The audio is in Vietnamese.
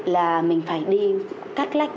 là mình phải đi cắt lách